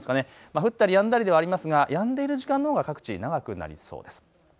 降ったりやんだりではありますがやんでいる時間のほうが各地、長くなりそうです。